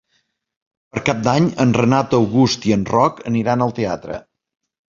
Per Cap d'Any en Renat August i en Roc aniran al teatre.